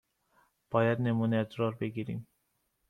باید نمونه ادرار بگیریم.